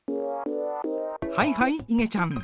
はいはいいげちゃん。